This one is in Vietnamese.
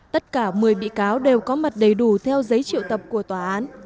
tất cả một mươi bị cáo đều có mặt đầy đủ theo giấy triệu tập của tòa án